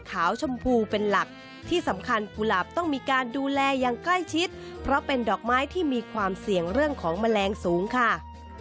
ชมพูเป็นหลักที่สำคัญกุหลาบต้องมีการดูแลอย่างใกล้ชิดเพราะเป็นดอกไม้ที่มีความเสี่ยงเรื่องของแมลงสูงค่ะ